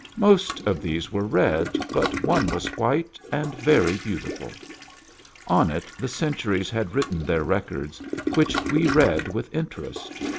Most of these were red, but one was white, and very beautiful. On it the centuries had written their records, which we read with interest.